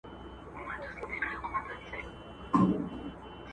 پښتو دي و کړه، ضمانت په کار دئ